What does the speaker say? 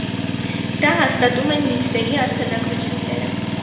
Դա հաստատում են նիստերի արձանագրությունները։